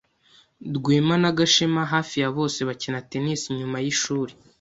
Rwema na Gashema hafi ya bose bakina tennis nyuma yishuri.